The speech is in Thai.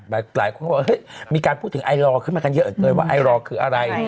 หลายคนบอกว่ามีการพูดถึงไอลอร์ขึ้นมากันเยอะเกินว่าไอลอร์คืออะไร